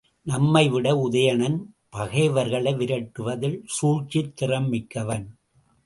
நம்மைவிட உதயணன் பகைவர்களை விரட்டுவதில் சூழ்ச்சித் திறம் மிக்கவன்.